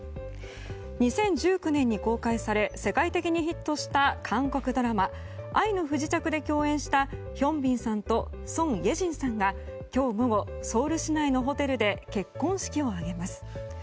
２０１９年に公開され世界的にヒットした韓国ドラマ「愛の不時着」で共演したヒョンビンさんとソン・イェジンさんが今日午後、ソウル市内のホテルで結婚式を挙げます。